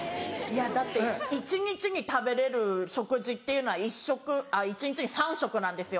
だって一日に食べれる食事っていうのは一日に３食なんですよ。